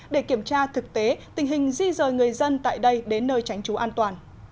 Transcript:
để kiểm tra thực tế tình hình di rời người dân tại đây đến nơi tránh trú an toàn